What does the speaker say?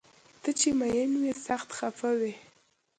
ته چې مین وي سخت خفه وي